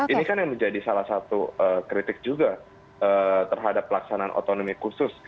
ini kan yang menjadi salah satu kritik juga terhadap pelaksanaan otonomi khusus